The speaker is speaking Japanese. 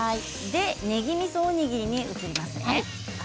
ねぎみそおにぎりに移りますね。